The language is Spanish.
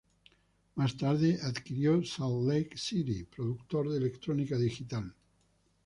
Más tarde adquirió Salt Lake City, productor de electrónica digital.